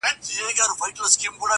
خو بدلون ورو روان دی تل,